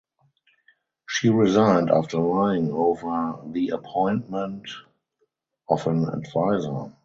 She resigned after lying over the appointment of an advisor.